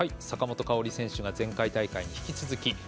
坂本花織選手が前回大会に引き続き。